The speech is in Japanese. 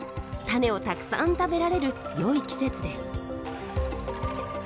種をたくさん食べられるよい季節です。